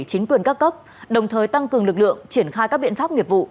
chính quyền các cấp đồng thời tăng cường lực lượng triển khai các biện pháp nghiệp vụ